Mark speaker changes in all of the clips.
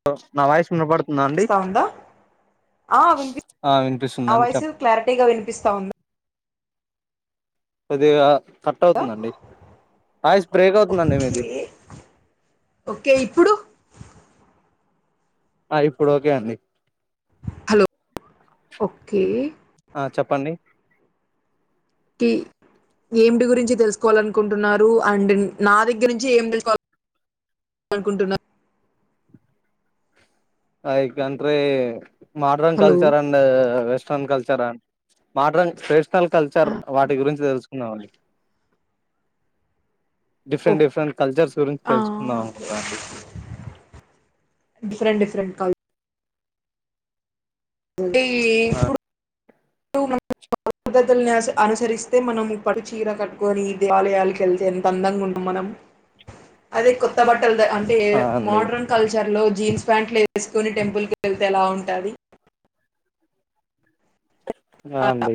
Speaker 1: [unintelligible] Noise
Speaker 2: పిస్తా ఉందా ఆ విన్పి
Speaker 1: ఆ
Speaker 2: ఆ
Speaker 1: వినిపిస్తుందండి
Speaker 2: వాయిస్
Speaker 1: చెప్
Speaker 2: క్లారిటీగా వినిపిస్తా ఉం
Speaker 1: కొద్దిగా కట్ అవుతుందండి వాయిస్ బ్రేక్ అవుతుందండి మీది
Speaker 2: ఓకే ఓకే ఇప్పుడు
Speaker 1: ఆ ఇప్పుడు ఓకే అండి
Speaker 2: హలో ఒక్కే
Speaker 1: ఆ చెప్పండి
Speaker 2: కి ఏమిటి గురించి తెలుసుకోవాలనుకుంటున్నారు అండ్ నా దగ్గర నుంచి ఏం తెలుసుకోవా [unintelligible] అనుకుంటున్నా
Speaker 1: [unintelligible] modern
Speaker 2: hello
Speaker 1: culture and western culture and modern ఫ్రే ల్ కల్చర్ వాటి గురించి తెలుసుకో [unintelligible] డిఫరెంట్ డిఫరెంట్ కల్చర్స్ గురించి
Speaker 2: ఆ
Speaker 1: తెలుసుకుందాం అనుకుంటనాండి
Speaker 2: రెంట్ కాల్ టే
Speaker 1: ఆ
Speaker 2: ఇప్పుడు [unintelligible] పద్ధతుల్ని అస్ అనుసరిస్తే మనము పట్టుచీర కట్టుకొని ఈ దేవాలయాలకి వెళ్తే ఎంత అందంగా ఉందు మనం అదే కొ త్త బట్టల్దే అంటే
Speaker 1: ఆ అండి
Speaker 2: మోడ్రన్ కల్చర్ లో జీన్స్ ప్యాంట్లు వ వేసుకొని టెంపుల్కి వెళ్తే ఎలా ఉంటుంది
Speaker 1: ఆ అండి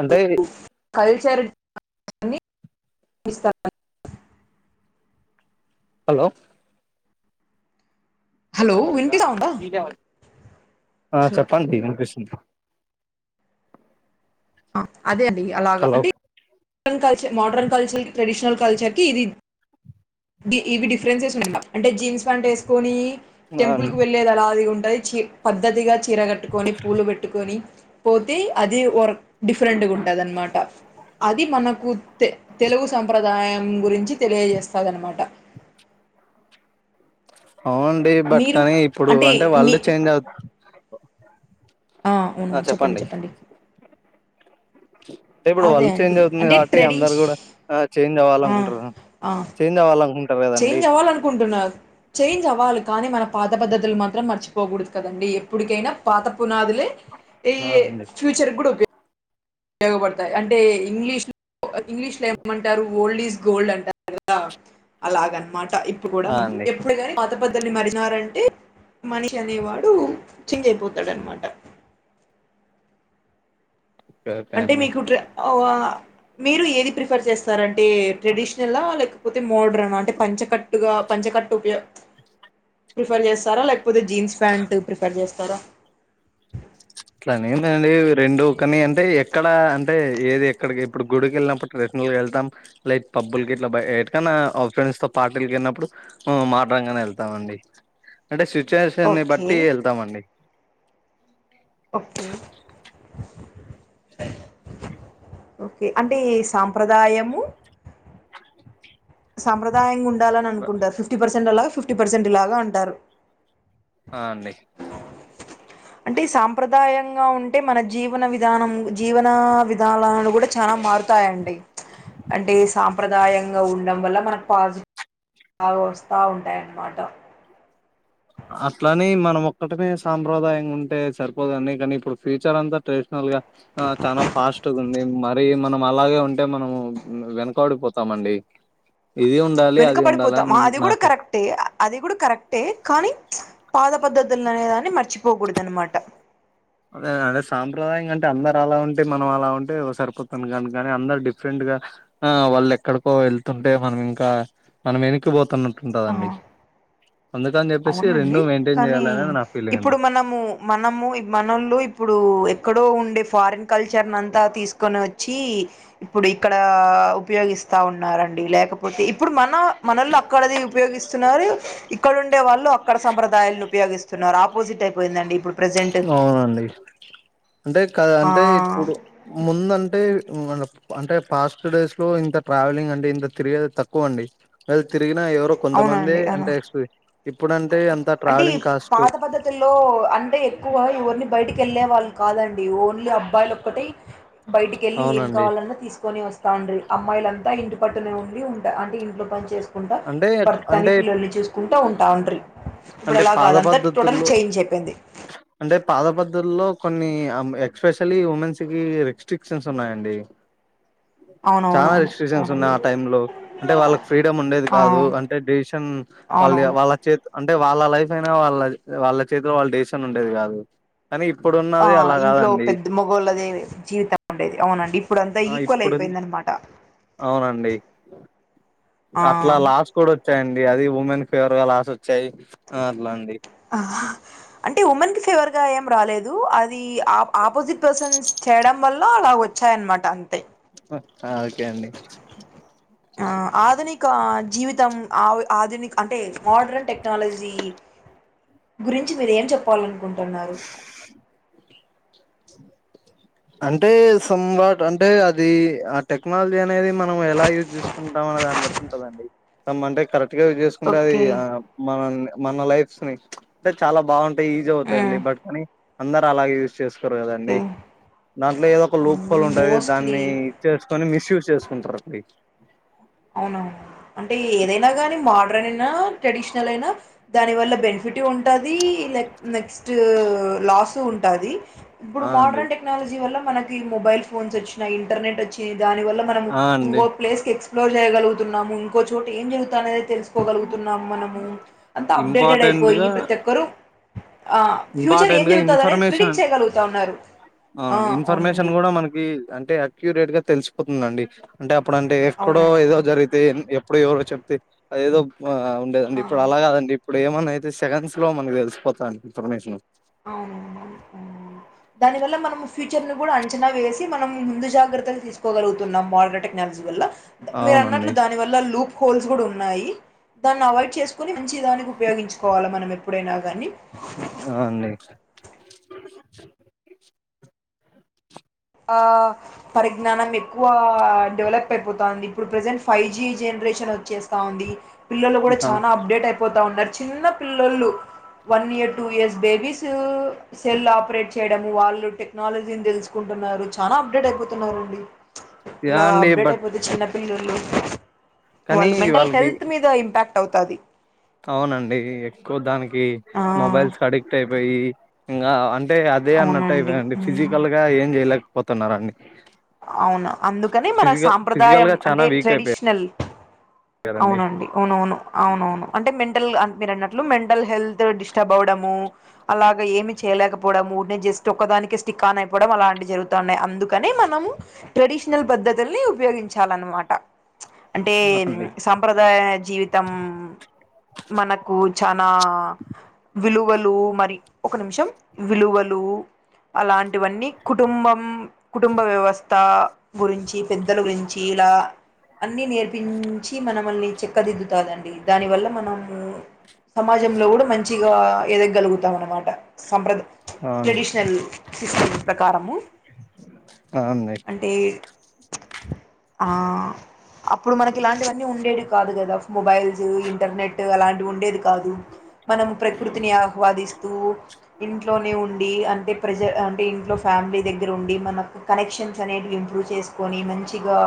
Speaker 1: అంటే
Speaker 2: కల్చర్
Speaker 1: హలో
Speaker 2: హలో
Speaker 1: ఒంటర
Speaker 2: వినిపిస్తా ఉందా
Speaker 1: ప ఆ
Speaker 2: హలో
Speaker 1: చెప్పండి వినిపిస్తుది
Speaker 2: అదే అండి అలాగా
Speaker 1: హలో
Speaker 2: అంటే modern culture modern culture traditional culture కి ఇది ఇవి డిఫరెన్సెస్ ఉన్నా అంటే జీన్స్ ప్యాంట్ వేసుకొని
Speaker 1: ఆ
Speaker 2: టెంపుల్
Speaker 1: అండి
Speaker 2: కు వెళ్లేద అలాది చ పద్ధతిగా చీర కట్టుకొని పూలు పెట్టుకొని పోతే అది వర్ డిఫరెంట్గటుద అన్నమాట అది మనకు తె తెలుగు సంప్రదాయం గురించి తెలియజేస్త అది అన్నమాట
Speaker 1: అవునండి బట్ కానీ ఇప్పుడు అంటే వరల్డ్ చేంజ్ అవు
Speaker 2: ఆ అవును చెప్పండి చెప్పండి
Speaker 1: అంటే ఇప్పుడు
Speaker 2: అదే
Speaker 1: వరల్డ్ చేంజ్
Speaker 2: అంటీ
Speaker 1: అవుతుంది
Speaker 2: అంటే
Speaker 1: కాబట్టి అందరు
Speaker 2: ట్రెడిషన్
Speaker 1: కూడా ఆ చేంజ్ అవ్వాలనుకుంటారు చేంజ్ అవ్వాలనుకుంటారు కదండి
Speaker 2: చేంజ్ అవ్వాలనుకుంటున్నారు చేంజ్ అవ్వాలి కానీ మన పాత పద్ధతులు మాత్రం మర్చిపో పోకూడదు కదండి ఎప్పుటికైనా పాత పునాదులే ఈ
Speaker 1: ఆ అండి
Speaker 2: ఫ్యూచర్ కూడా ఉపయో ఉపయోగపడతాయి అంటే ఇంగ్లీష్ ఇంగ్లీష్ లో ఇమ్మంటారు ఓల్డ్ ఇస్ గోల్డ్ అంటారు కదా అలాగనమాట ఇప్పుడు కూడా
Speaker 1: ఆ
Speaker 2: మా
Speaker 1: అండి
Speaker 2: ఎప్పుడే గాని పాత పద్ధతుల్ని మరిచినాడు అంటే మనిషి అనేవాడు చేంజ్ అయిపోతాడన్నమాట
Speaker 1: ఓకే
Speaker 2: అంటే
Speaker 1: అండి
Speaker 2: మీకు ట్రే మీరు ఏది ప్రిఫర్ చేస్తారుఅం ఏ ట్రెడిషనల్ ఆ లేకపోతే మోడ్రాన అంటే పంచకట్టుగా పంచకట్టు ఉయో ప్రిఫర్ చేస్తారా లైక్ పోతే జీన్స్ ప్యాంట్ ప్రిఫర్ చేస్తారా
Speaker 1: అట్లానేందండి రెండు కానీ అంటే ఎక్కడ అంటే ఏది ఎక్కడికి ఇప్పుడు గుడికి వెళ్ళినప్పుడు ట్రెడిషనల్ గా వెళ్తాం లైక్ పబ్బులకి ఇట్లా ఎట్కన్నా ఫ్రెండ్స్ తో పార్టీలకి వెళ్ళినప్పుడు మోడర్న్ గానే వెళ్తాం అండి అంటే స్విచ్ సిట్యువేషన్ నీ
Speaker 2: ఓకే
Speaker 1: బట్టి వెళతాం అండి
Speaker 2: ఓకే ఓకే అంటే ఏ సాంప్రదాయము సంప్రదాయం గు ఉండాలని అనుకుంటారు ఫిఫ్టీ పర్స్ జనరల్ గా ఫిఫ్టీ పర్సెంట్ ఇలాగ అంటారు
Speaker 1: ఆ అండి
Speaker 2: అంటే సంప్రదాయంగా ఉంటే మన జీవన విధానం జీవన విధానాలు కూడా చాల మారుతాయండి అంటే సంప్రదాయంగా ఉండడం వల్ల మనకు పాజిటివ్ బా వస్తా ఉంటాయి అన్నమాట
Speaker 1: అట్ల అని మనం ఒక్కటమే సంప్రదాయం గా ఉంటే సరిపోదండి కానీ ఇప్పుడు ఫ్యూచర్ అంతా ట్రెడిషనల్ గా ఆ చాలా ఫాస్ట్ గా ఉంది మ మరి మనం అలాగే ఉంటే మనం వెనకబడిపోతాము అండి
Speaker 2: వెనుకబడిపోతాం అది కూడా కరెక్టే అది కూడా కరెక్టే కానీ పాత పద్ధతులు అనేదాన్ని మర్చిపోకూడదు అన్నమాట
Speaker 1: అదేనండి సాంప్రదాయం గా అంటే అందరు అలా ఉంటే మనం అలా ఉంటే సరిపోతం కానీ కాని అందరు డిఫరెంట్ గా ఆ వాళ్ళు ఎక్కడికో వెళ్తుంటే మనం ఇంకా మనం వెనక్కిపోతున్నాం ఉంటది అండి
Speaker 2: అవునండి కానీ
Speaker 1: నా ఫీలింగ్
Speaker 2: ఇప్పుడు
Speaker 1: అండి
Speaker 2: మనము మనము మనోళ్లు ఇప్పుడు ఎక్కడో ఉండే ఫారిన్ కల్చర్ ని అంతా తీసుకొని వచ్చి ఇప్పుడు ఇక్కడ ఉపయోగిస్తా ఉన్నారండి లేకపోతే ఇప్పుడు మన మనోళ్లు అక్కడది ఉపయోగిస్త స్తున్నారు ఇక్కడ ఉ ఉండే వాళ్ళు అక్కడ సంప్రదాయాలు ఉపయోగిస్తున్నారు ఆపోజిట్ అయిపోయిందండి ఇప్పుడు ప్రజెంట్
Speaker 1: అవునండి అంటే క
Speaker 2: ఆ
Speaker 1: అంటే ఇప్పుడు ముందంటే ఊ మన అంటే పాస్ట్ డేస్ లో ఇంత ట్రావెలింగ్ అండి ఇంత తిరిగేది తక్కువ అండి తిరిగినా ఎవరో కొంతమందే
Speaker 2: అవునండి అవును
Speaker 1: అంటే ఇప్పుడంటే అంత
Speaker 2: అంటే ఈ
Speaker 1: ట్రావెలింగ్ కాస్ట్
Speaker 2: పాత పద్ధతుల్లో అంటే ఎక్కువ ఎవరిని బయటికి వెళ్ళే వాళ్ళు కాదండి ఓన్లీ అబ్బాయిలు ఒక్కటిే బయటికేళ్ళి ఏం
Speaker 1: అవునండి
Speaker 2: కావాలన్నా తీసుకుని వస్త్ తండ్రి అమ్మాయిలంత ఇంటి పట్టునే ఉండి ఉంటే అంటే ఇంట్లో పని చేస్త కుంట
Speaker 1: అంటే
Speaker 2: భర్తని
Speaker 1: అంటే
Speaker 2: పిల్లల్ని చేూసుకుంట టోన్ టాండ్రి
Speaker 1: అంటే
Speaker 2: ఇప్పుడలా
Speaker 1: పాత
Speaker 2: కాదంతా టోటల్
Speaker 1: పద్ధతుల్లో
Speaker 2: చేంజ్ అయిపోయింది
Speaker 1: అంటే పాత పద్ధతుల్లో కొన్ని ఎక్స్పెషలీ ఉమెన్స్ కి రిస్ట్రిక్షన్స్ ఉన్నాయండి చాలా
Speaker 2: అవునవునవును
Speaker 1: రిస్ట్రిక్షన్స్ ఉన్నాయి
Speaker 2: అవునండి
Speaker 1: ఆ టైమ్ లో అంటే వాళ్ళకి ఫ్రీడమ్ ఉండేది
Speaker 2: ఆ
Speaker 1: కాదు అంటే డిసిషన్ వాళ్ళ
Speaker 2: అవునవును
Speaker 1: వాళ్ళ చేతి అంటే వాళ్ళ లైఫ్ అయినా వాళ్ళ వాళ్ళ చేతిలో వాళ్ళ డెసిషన్ ఉండేది కాదు కానీ
Speaker 2: ఆ
Speaker 1: ఇప్పుడున్నది అలా
Speaker 2: ఇంట్లో
Speaker 1: కాదండి
Speaker 2: పెద్ద మొగోళ్ళదే జీవితం ఉండేది అవునండి ఇప్పుడు అంతా
Speaker 1: ఆ
Speaker 2: ఈక్వల్
Speaker 1: ఇప్పుడు
Speaker 2: అయిపోయిందన్నమాట
Speaker 1: అవునండి అట్లా లాస్ కూడా వచ్చాయండి అది ఉమెన్ ఫేవర్ గా లాస్ వచ్చాయి అట్లా అండి
Speaker 2: ఆహ్ అంటే ఉమెన్ కి ఫేవర్ గా ఏం రాలేదు అది ఆ ఆపోజిట్ పర్సన్స్ చేయడం వల్ల అలా వచ్చాయన్నమాట అంతే
Speaker 1: ఓకే అండి
Speaker 2: ఆ ఆధునిక జీవితం ఆ ఆధునిక అంటే మోడ్రన్ టెక్నాలజీ గురించి మీర ఏం చెప్పాలం కుంటున్నారు
Speaker 1: అంటే సమ్ వాట్ అంటే అది ఆ టెక్నాలజీ అనేది మనం ఎలా యూజ్ చేసుకుంటాం అనే దాన్ని బట్టి ఉంటదండి సమ్ అంటే కరెక్ట్ గా చేసుకుంటే అది
Speaker 2: ఓకే.
Speaker 1: ఆ మనల్ని మన లైఫ్స్ ని అంటెచాలా బావుంటుంది తే ఈజీ అవుతాయండి
Speaker 2: హ్మ్.
Speaker 1: బట్ కానీ అందరు అలాగే చేసుకోరు కదండి
Speaker 2: ఓకే.
Speaker 1: దాంట్లో ఏదో ఒక లూప్
Speaker 2: అండ్
Speaker 1: హోల్ ఉంటాది
Speaker 2: మోస్ట్‌లీ
Speaker 1: దాన్ని ఇది చ్చేసుకొని మిస్ యూస్ చేసుకుంటారు అండి
Speaker 2: అవునవును అంటే ఏదైనా కానీ మోడ్రన్ అయినా ట్రెడిషనల్ అయినా దాని వల్ల బెనిఫిట్ ఉంటాది లైక్ నెక్స్ట్ లాస్ ఉంటాది ఇప్పుడు
Speaker 1: ఆ అండి
Speaker 2: మోడ్రన్ టెక్నాలజీ వల్ల మనకి మొబైల్ ఫోన్స్ వచ్చినాయి ఇంటర్నెట్ వచ్చి దాని వల్ల మనం
Speaker 1: ఆ అండి
Speaker 2: ఇంకో ప్లేస్ కి ఎక్స్ ఎలో చేయలుగున్నా ఇంకో చోట ఏం జరుగుతాంది అనేది తెలుసు కోగలుగుతున్నాం మనము అంత అప్డేటెడ్
Speaker 1: ఇంపార్టెంట్
Speaker 2: అయిపోయి
Speaker 1: గా
Speaker 2: ప్రతి ఒక్కరు ఆ ఫ్యూచర్ ఏం
Speaker 1: ఇంపార్టెంట్ గా
Speaker 2: జరుగుతుంది అనేది
Speaker 1: ఇన్ఫర్మేషన్
Speaker 2: ప్రిడిక్ట్ చేయగలుగుతా ఉన్నారు ఆ అవునండి
Speaker 1: అంటె అక్యూరేట్ గా తెలిసిపోతుందండి అంటె ఎప్పుడంటె ఎక్కడో
Speaker 2: అవునండి.
Speaker 1: ఏదో జరిగితే ఎప్పుడో ఎవరో ఏదో చెప్తే అదేదో ఆ ఉండేదండి
Speaker 2: ఆ!
Speaker 1: ఇప్పుడు
Speaker 2: ఆ!
Speaker 1: అలా కాదండి ఇప్పుడు ఏమన్నా అయితే సెకండ్స్ లో మనకి తెలిసిపోతాంది పర్మిషను
Speaker 2: అవునవును ఫచర్ ను కూడా అంచనా వేసి మనం ముందు జాగ్రత్తలు తీసుకోగలుగుతున్నాం మోడ్రన్ టెక్నాలజీ వల్ల మీరు
Speaker 1: అవునండి
Speaker 2: అన్నట్లు దాని వల్ల లూప్ హోల్స్ కూడా ఉన్నాయి దాన్ని అవాయిడ్ చేసుకుని మంచి దానికి ఉపయోగించుకోవాల మన ఎప్పుడైనా గానీ
Speaker 1: ఆ అండి
Speaker 2: ఆ పరిజ్ఞానం ఎక్కువ డెవలప్ అయిపోతాంది ఇప్పుడు ప్రెజెంట్ ఫైవ్ జి జనరేషన్ వచ్చేస్తా ఉంది పిల్లలు కూడా
Speaker 1: ఆ
Speaker 2: చానా అప్డేట్ అయిపోత్ ట ఉన్నారు చిన్న పిల్లలు one year two years babies cell operate చేయడం వాళ్ళు టెక్నాలజీని తెలుసుకుం న్నారు చాలా అప్డేట్ అయిపోతున్నారు అండి
Speaker 1: యా
Speaker 2: ఇలా
Speaker 1: అండి
Speaker 2: అప్డేట్
Speaker 1: బట్
Speaker 2: అయిపోతే చిన్న పిల్లోళ్లు
Speaker 1: కానీ
Speaker 2: వాళ్ళు మెంటల్
Speaker 1: వాళ్ళకి
Speaker 2: హెల్త్ మీద ఇంపాక్ట్ అవుతాది
Speaker 1: అవునండి ఎక్కువ దానికి కి
Speaker 2: ఆ
Speaker 1: మొబైల్స్ కి అడిక్ట్ అయిపోయి ఇంగా అం అంటే అదే అన్నట్టు
Speaker 2: అవునండి
Speaker 1: అయిపోయిండి
Speaker 2: ఉమ్,
Speaker 1: ఫిజికల్ గా ఏం చేయలే పోతున్నారండి
Speaker 2: అవును అందుకనే మన
Speaker 1: ఫిజికల్ ఫిజికల్
Speaker 2: సాంప్రదాయం
Speaker 1: గా
Speaker 2: అంటే
Speaker 1: చానా వీక్
Speaker 2: ట్రెడిషనల్
Speaker 1: అయిపోయారండి.
Speaker 2: అవునండి అవునవును అవునవును అంటే మెంటల్ అం మీరు అన్నట్లు మెంటల్ హెల్త్ డిస్టర్బ్ అవ్వడము అలాగ ఏమి చేయలేకపోవడము నే జస్ట్ ఒక్క దానికే స్టిక్ ఆన్ అయిపోవడం అలాంటివి జరుగుతా ఉన్నాయి అందుకనే మనము ట్రెడిషనల్ పద్ధతుల్ని ఉపయోగించాలన్నమాట. అంటే
Speaker 1: ఆ అండి
Speaker 2: సాంప్రదాయ జీవితం మనకు చాలా విలు వలు మరి ఒక నిమిషం విలువలు అలాంటివన్నీ కుటుంబం కుటుంబ వ్యవస్ త్త గురించి పెద్దల గురించి ఇలా అన్నీ నేర్పించి మనమల్ని చెక్కదిద్దుతాదండి. దానివల్ల మనము సమాజంలో కూడా మంచిగా ఎదగలుగుతాం అన్నమాట సంప్రద
Speaker 1: అవును
Speaker 2: ట్రెడిషనల్ సిస్టమ్స్ ప్రకారము
Speaker 1: ఆ అండి
Speaker 2: అంటే ఆ అప్పుడు మనకి ఇలాంటివన్నీ ఉండేడు కాదు కదా మొబైల్స్ ఇంటర్నెట్ అలాంటి ఉండేది కాదు మనం ప్రకృతిని ఆహ్వాదిస్తూ ఇంట్లోనే ఉండి అన్ అంటే ప్రెజ అంటే ఇంట్లో ఫ్యామిలీ దగ్గర ఉండి మనకు కనెక్షన్ క్యూరన్ ఇంప్రువ్ చెస్కోని మంచీగా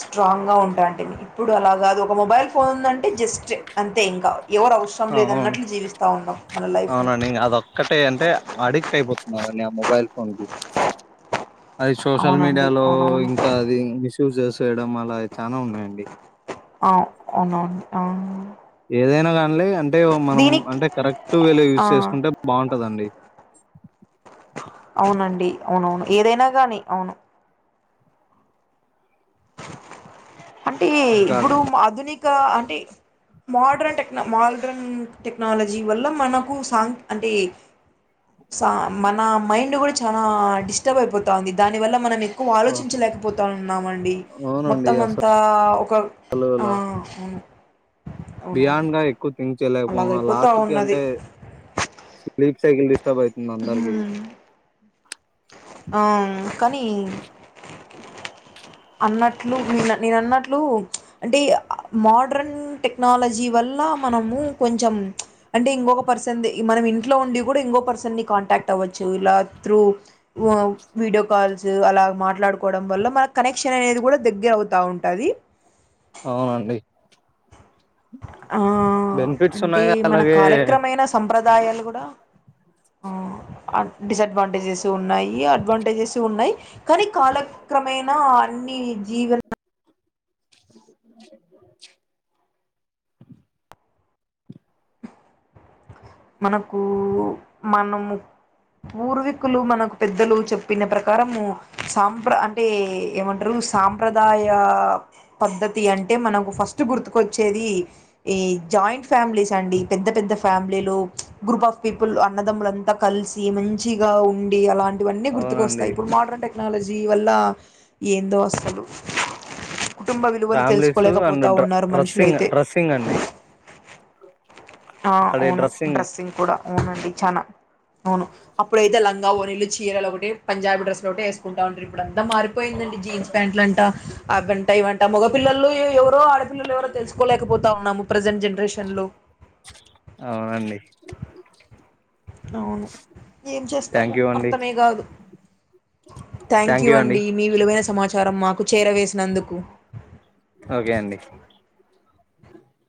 Speaker 2: స్టోంగా ఉండండి ఎప్పుడు అలకడు మొబైల్ పోందంటే జస్ట్ అంతే ఇంకా ఎవరు అవసరం
Speaker 1: అవును
Speaker 2: లేదన్నట్లు జీవిస్తా ఉన్నాం మన లైఫ్ని
Speaker 1: అవునండి మనల్ని ఆ మొబైల్ ఫోన్కి అది సోషల్
Speaker 2: అవునండి
Speaker 1: మీడియాలో
Speaker 2: అవునవును
Speaker 1: ఇంకా అది మిస్యూజ్ చేస్త చేయడం అల చానా ఉన్నాయండి
Speaker 2: అవు అవునవును ఆ
Speaker 1: ఏదైనా కానీ [unintelligible] అంటే మనం అంటే కరెక్ట్ వేలో యూస్
Speaker 2: దీనికి
Speaker 1: చేసుకుంటే బాగుంటందండి.
Speaker 2: అవునండి అవునవును ఏదైనా గాని అవును అంటే
Speaker 1: ఇంకా
Speaker 2: ఇప్పుడు ఆధుని ఇంకా అంటే మోడ్రన్ టెక్న మోడ్రన్ టెక్నాలజీ వల్ల మనకు సాంగ్ అంటే సా మన మైండ్ కూడా చాలా డిస్టర్బ్ అయిపోత ఉంది దానివల్ల మనం ఎక్కువ
Speaker 1: ఆ
Speaker 2: ఆలోచించలేకపోతా ఉన్నామండి మొం
Speaker 1: అవునండి
Speaker 2: మొత్తమంతా ఒకవు
Speaker 1: అసలు అలా బియాండ్ గా ఎక్కువ థంక్ చేయలేకపో
Speaker 2: అలాగైపోతా
Speaker 1: లాస్ట్ కి
Speaker 2: ఉన్నది
Speaker 1: అంటే సైకి ఇష్టవుతుంది అందరికి
Speaker 2: హ్మ్. ఆ కానీ అన్నట్లు నేను నేను అన్నట్లు అంటే మోడర్న్ టెక్నాలజీ వల్ల మనము కొంచెం అంటే ఇంకొక పర్సన్ మనం ఇంట్లో ఉండి కూడా ఇంకొక పర్సన్ని కాంటాక్ట్ అవ్వచ్చు ఇలా త్రూ వీడియో కాల్స్ అలా మాట్లాడుకోవడం వల్ల మనకు కనెక్షన్ అనేది కూడా దగ్గర అవుతూ ఉంటుంది
Speaker 1: అవునండి
Speaker 2: ఆ
Speaker 1: బెనిఫిట్స్
Speaker 2: అంటే
Speaker 1: ఉన్నాయి
Speaker 2: మన
Speaker 1: అలాగే
Speaker 2: కాలక్రమైన సంప్రదాయ ఆదాయాలు కూడా డిసడ్వాంటేజెస్ ఉన్నాయి అడ్వాంటేజెస్ ఉన్నాయి కానీ కాలక్రమేణ అన్ని జీవన మనకు మనము పూర్వీకులు మనకు పెద్దలు చెప్పిన ప్రకారము సాంప్ర అంటే ఏమంటారు సాంప్రదాయ పద్ధతి అంటే మనకు ఫస్ట్ గుర్తుకొచ్చేది ఈ జాయింట్ ఫ్యామిలీ పెద్ద పెద్ద ఫ్యామిలీలు గ్రూప్ ఆఫ్ పీపుల్ అన్నదమ్ములంతా కలిసి మంచిగా ఉండి అలాంటి ఇవన్నీ గుర్తుకొస్తా
Speaker 1: అవునండి
Speaker 2: ఇప్పుడు మడన్ టెక్నాలజీ వల్ల ఏందో అసలు కుటుంబ విలువలు
Speaker 1: ఫ్యామిలీస్ అండ్
Speaker 2: తెలుసుకోలేకపోతూ
Speaker 1: డ్ర
Speaker 2: ఉన్నారు
Speaker 1: డ్రెస్సింగ్
Speaker 2: మనుషులైతే
Speaker 1: డ్రెస్సింగ్ అండి
Speaker 2: ఆ అవును డ్రెస్సింగ్ కూడా అవునండి చాలా అవును అప్పుడైతే లంగా ఓ నళ్లు చీరలో ఒకటి పంజాబీ డ్రెస్ లో ఒకటి వేసుకుంటా ఉండారు ఇప్పు అంత మారిపోయిందండి జీన్స్ ప్యాంట్లుంటా అవంట ఇవంట మగ పపిల్లలు ఎవరో ఆడపిల్లలు ఎవరో తెలుసుకోలేకపోతా ఉన్నాము ప్రజెంట్ జనరేషన్ లో
Speaker 1: అవునండి
Speaker 2: అవును ఏం చేస్తాము
Speaker 1: థ్యాంక్ యూ అండి
Speaker 2: అర్థమే కాదు థ్యాంక్ యూ అండి మీ విలువైన సమాచారం చారం మాకు చేర వేసినందుకు
Speaker 1: ఓకే అండి